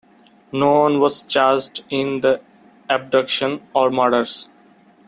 No one was charged in the abduction or murders.